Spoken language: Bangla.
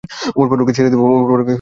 ওমর ফারুককে ছেড়ে দিব আমি।